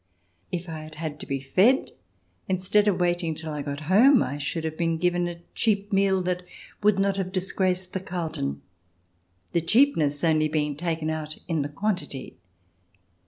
If I had had to be fed, instead of waiting till I got home, I should have been given a cheap meal that would not have dis graced the Carlton, the cheapness only being taken out in the quantity.